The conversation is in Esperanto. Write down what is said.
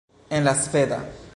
En la sveda.